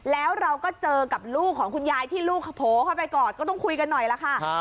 แล้วเราก็เจอกับลูกของคุณยายที่ลูกโผล่เข้าไปกอดก็ต้องคุยกันหน่อยล่ะค่ะ